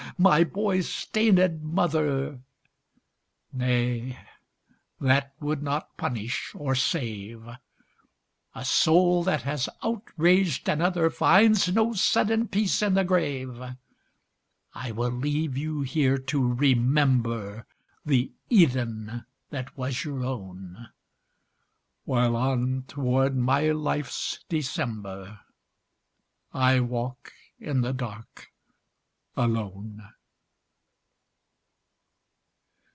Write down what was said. my boy's stained mother Nay, that would not punish, or save; A soul that has outraged another Finds no sudden peace in the grave. I will leave you here to remember The Eden that was your own, While on toward my life's December I walk in the dark alone.